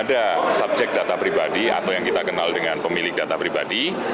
ada subjek data pribadi atau yang kita kenal dengan pemilik data pribadi